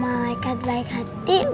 om malaikat baik hati